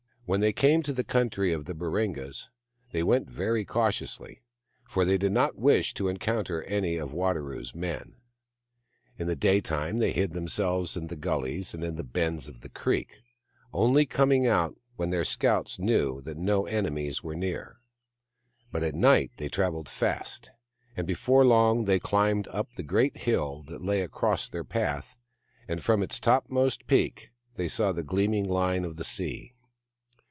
When they came to the country of the Baringas they went very cautiously, for they did not wish to encounter any of Wadaro's men. In the daytime they hid themselves in gullies or in bends of the creek, only coming out when their scouts knew that no enemies were near ; but at night they travelled fast, and before long they climbed up a great hill that lay across their path, and from its topmost peak they saw the gleaming line of the sea.